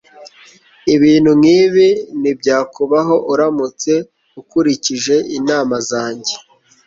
Ibintu nkibi ntibyakubaho uramutse ukurikije inama zanjye.